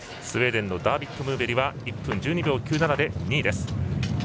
スウェーデンのダービット・ムーベリは１分１２秒９７で２位でした。